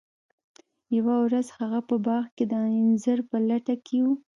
یوه ورځ هغه په باغ کې د انځر په لټه کې و.